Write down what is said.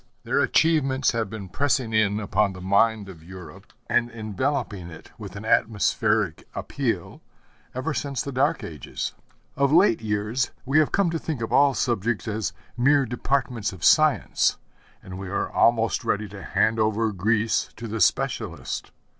Their achievements have been pressing in upon the mind of Europe, and enveloping it with an atmospheric appeal, ever since the Dark Ages. Of late years we have come to think of all subjects as mere departments of science, and we are almost ready to hand over Greece to the specialist.